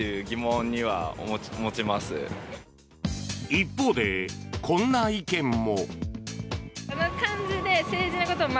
一方でこんな意見も。